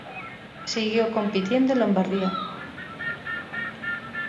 Siguió compitiendo en Lombardía.